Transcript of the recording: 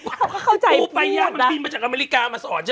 เขาใจเปรี้ยมนะพี่ป๊าพี่ปูไปยังมาบินจากอเมริกามาสอนฉัน